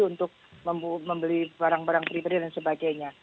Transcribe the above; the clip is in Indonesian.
untuk membeli barang barang pribadi dan sebagainya